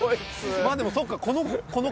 まあでもそっか。